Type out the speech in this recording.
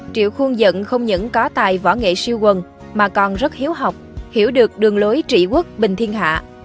triệu khuôn dẫn không những có tài võ nghệ siêu quần mà còn rất hiếu học hiểu được đường lối trị quốc bình thiên hạ